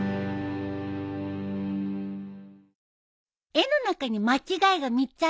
絵の中に間違いが３つあるよ。